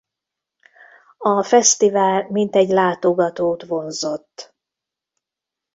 A fesztivál mintegy látogatót vonzott.